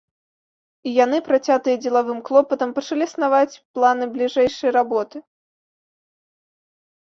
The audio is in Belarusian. І яны, працятыя дзелавым клопатам, пачалі снаваць планы бліжэйшай работы.